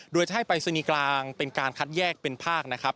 โดยจะให้ปรายศนีย์กลางเป็นการคัดแยกเป็นภาคนะครับ